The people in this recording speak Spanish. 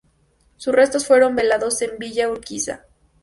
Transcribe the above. Sus restos fueron velados en Villa Urquiza.